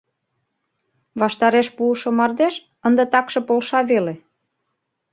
Ваштареш пуышо мардеж ынде такше полша веле.